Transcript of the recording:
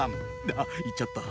あ言っちゃった。